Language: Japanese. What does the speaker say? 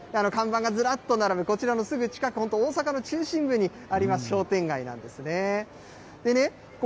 この景色、あのね、いろんなね、看板がずらっと並ぶこちらのすぐ近く、本当に大阪の中心部にあります商店街なんですね。